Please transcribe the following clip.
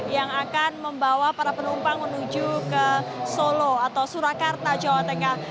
yang akan membawa para penumpang menuju ke solo atau surakarta jawa tengah